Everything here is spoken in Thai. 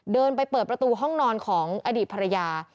เดินไปเปิดประตูห้องนอนของอดีตภรรยา